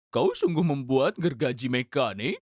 kau sungguh membuat gergaji mekanik